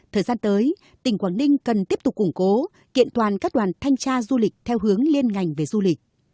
thời gian tới tỉnh quảng ninh cần tiếp tục củng cố kiện toàn các đoàn thanh tra du lịch theo hướng liên ngành về du lịch